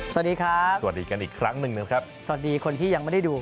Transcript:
สวัสดีครับสวัสดีกันอีกครั้งหนึ่งนะครับสวัสดีคนที่ยังไม่ได้ดู